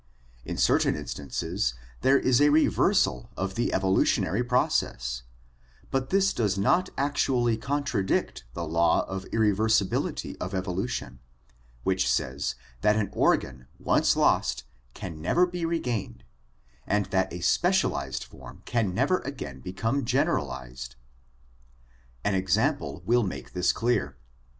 In certain instances there is a reversal of the evolutionary process, but this does not actually contradict the law of irreversibility of evolution, which says that an organ once lost can never be regained and that a specialized form can never again become generalized. An example will make this clear.